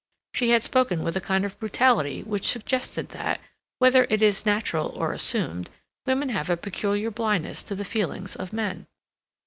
She had spoken with a kind of brutality which suggested that, whether it is natural or assumed, women have a peculiar blindness to the feelings of men.